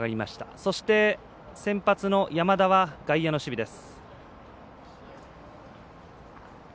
そして先発の山田は外野の守備です。